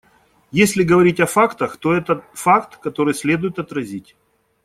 Если говорить о фактах, то это факт, который следует отразить.